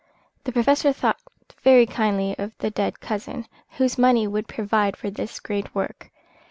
The Professor thought very kindly of the dead cousin, whose money would provide for this great work.